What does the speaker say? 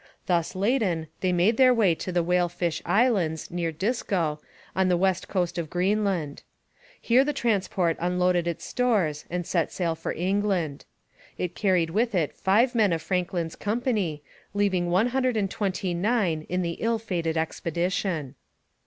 Thus laden they made their way to the Whale Fish Islands, near Disco, on the west coast of Greenland. Here the transport unloaded its stores and set sail for England. It carried with it five men of Franklin's company, leaving one hundred and twenty nine in the ill fated expedition.